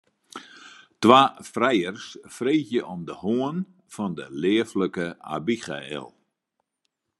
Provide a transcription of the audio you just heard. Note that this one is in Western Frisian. Twa frijers freegje om de hân fan de leaflike Abigail.